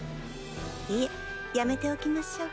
いえやめておきましょう。